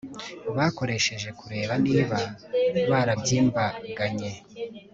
bakoresheje kureba niba barabyimbaganye